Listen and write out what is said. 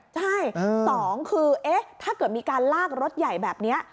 ใช่๒คือถ้าเกิดมีการลากรถใหญ่แบบนี้